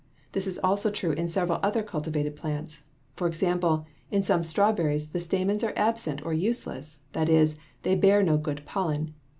This is also true in several other cultivated plants. For example, in some strawberries the stamens are absent or useless; that is, they bear no good pollen.